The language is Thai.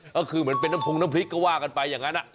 ก็คือเหมือนเป็นน้ำพงน้ำพริกก็ว่ากันไปอย่างนั้น